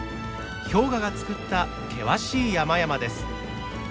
氷河が作った険しい山々です。